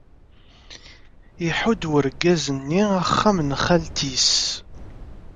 Ihudd urgaz-nni axxam n xalti-s.